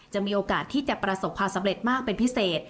มีโอกาสที่จะประสบความสำเร็จมากเป็นพิเศษ